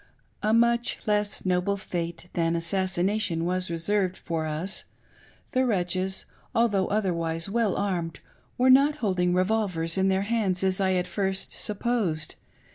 A much less noble fate than assassination was reserved for us. The wretches, although otherwise well armed, were not hold* ing revolvers in their hands as I at first supposed.